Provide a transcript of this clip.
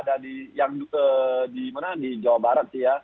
ada di jawa barat